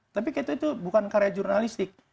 tapi itu bukan karya jurnalistik